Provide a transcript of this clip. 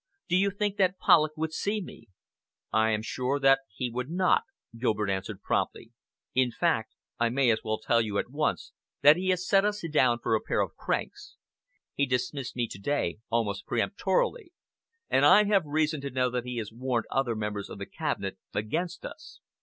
Do you think that Polloch would see me?" "I am sure that he would not," Gilbert answered promptly. "In fact, I may as well tell you at once, that he has set us down for a pair of cranks. He dismissed me to day almost peremptorily. And I have reason to know that he has warned other members of the Cabinet against us.